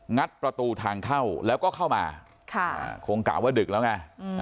ัดประตูทางเข้าแล้วก็เข้ามาคงกะว่าดึกแล้วไง